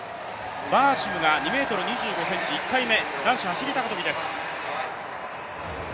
バーシムが２ｍ２５ｃｍ１回目、男子走高跳です。